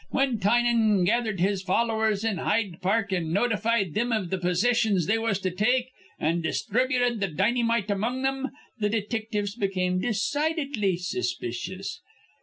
Whin Tynan gathered his followers in Hyde Park, an' notified thim iv the positions they was to take and disthributed th' dinnymite among thim, th' detictives become decidedly suspicious.